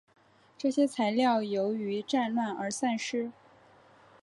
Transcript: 这些材料由于战乱而散失。